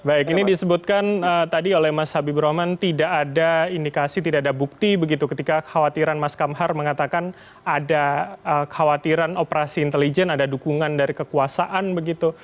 baik ini disebutkan tadi oleh mas habibur rahman tidak ada indikasi tidak ada bukti begitu ketika khawatiran mas kamhar mengatakan ada khawatiran operasi intelijen ada dukungan dari kekuasaan begitu